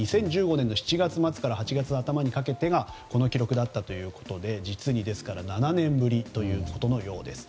２０１５年７月末から８月頭にかけての記録だったということで実に７年ぶりということのようです。